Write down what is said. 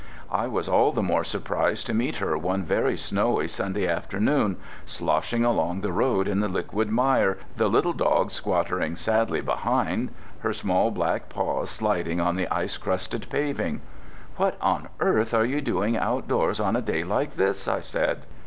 I was all the more surprised to meet her one very snowy Sunday afternoon, sloshing along the road in the liquid mire, the little dog squattering sadly behind, her small black paws sliding on the ice crusted paving. "What on earth are you doing outdoors on a day like this?" I said.